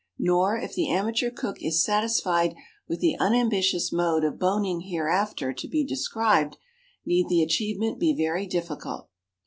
Nor, if the amateur cook is satisfied with the unambitious mode of boning hereafter to be described, need the achievement be very difficult.